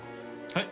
はい。